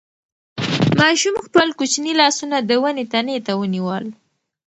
ماشوم خپل کوچني لاسونه د ونې تنې ته ونیول.